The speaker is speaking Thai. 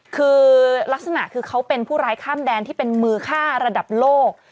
คือลักษณะคือเขาเป็นผู้ร้ายข้ามแดนที่เป็นมือฆ่าระดับโลก